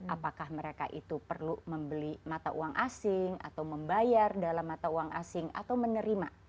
apakah mereka itu perlu membeli mata uang asing atau membayar dalam mata uang asing atau menerima